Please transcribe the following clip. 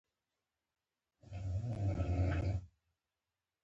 ته پر ما ګران یې.